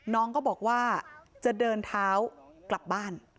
หนูจะเดินเท้ากลับบ้าน